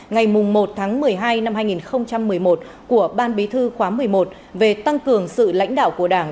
ngày một tháng một mươi hai năm hai nghìn một mươi một của ban bí thư khóa một mươi một về tăng cường sự lãnh đạo của đảng